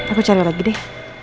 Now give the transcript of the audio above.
aku cari lagi deh